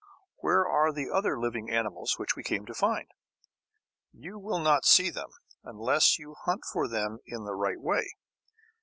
Where are the other living animals which we came to find? You will not see them unless you hunt for them in the right way.